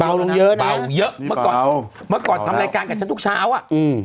ลงเยอะนะเบาเยอะเมื่อก่อนเมื่อก่อนทำรายการกับฉันทุกเช้าอ่ะอืม